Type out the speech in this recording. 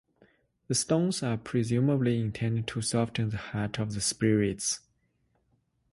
The stones are presumably intended to soften the heart of the spirits.